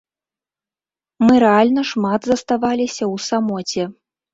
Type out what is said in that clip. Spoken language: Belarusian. Мы рэальна шмат заставаліся ў самоце.